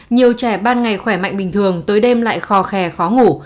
nhiều trẻ ban ngày khỏe mạnh bình thường tới đêm lại khò khè khó ngủ